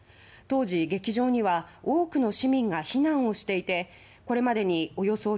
当時、劇場には多くの市民が避難をしていて